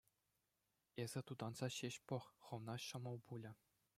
Эсӗ тутанса ҫеҫ пӑх, хӑвна ҫӑмӑл пулӗ.